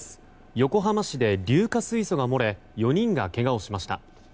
横浜市で硫化水素が漏れ４人がけがをしました。